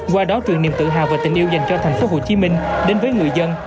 qua đó truyền niềm tự hào và tình yêu dành cho thành phố hồ chí minh đến với người dân